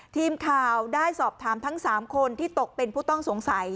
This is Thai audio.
ทีมข่าวได้สอบถามทั้ง๓คนที่ตกเป็นผู้ต้องสงสัย